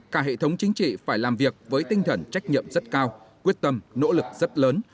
cả hệ thống chính trị phải làm việc với tinh thần trách nhiệm rất cao quyết tâm nỗ lực rất lớn